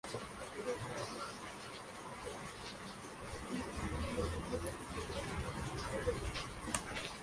Gradius: The Slot